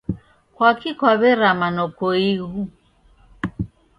Kwaki kwaw'erama nokoighu?